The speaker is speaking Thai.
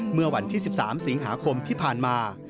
เมื่อวันที่๑๓สิงหาคมที่ผ่านมา